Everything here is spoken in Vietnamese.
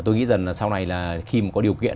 tôi nghĩ rằng sau này là khi có điều kiện